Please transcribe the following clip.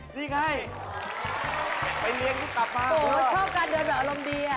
ชอบเดินแบบอารมณ์ดี